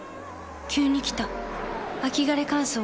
急に来た秋枯れ乾燥。